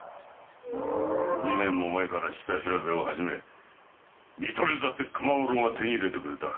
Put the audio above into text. ２年も前から下調べを始め見取り図だって熊五郎が手に入れてくれた。